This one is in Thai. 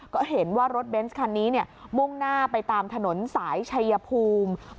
ก็เห็นว่ารถเบนส์คันนี้มุ่งหน้าไปตามถนนสายชัยภูมิ